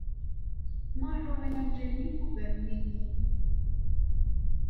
Meṛṛa imawlan-iw ugaren-iyi.